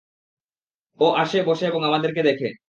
ও আসে, বসে এবং আমাদেরকে দেখে!